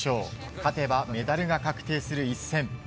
勝てばメダルが確定する一戦。